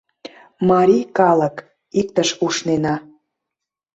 Марий калык, иктыш ушнена